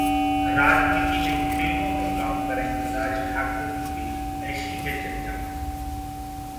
राजनीति नहीं फिल्मों में काम करेंगी राज ठाकरे की बेटी, ऐसी है चर्चा